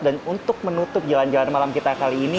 dan untuk menutup jalan jalan malam kita kali ini